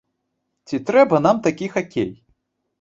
Ці трэба нам такі хакей?